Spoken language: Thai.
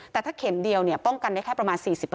แต่ถ้าเข็มเดียวป้องกันได้แค่ประมาณ๔๕